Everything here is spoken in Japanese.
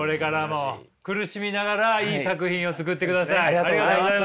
ありがとうございます。